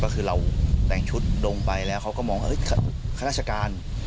ก็คือเราแต่งชุดดงไปแล้วเขาก็มองว่าข้าราชการ